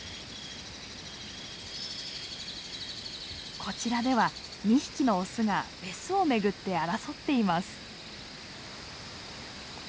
こちらでは２匹のオスがメスをめぐって争っています。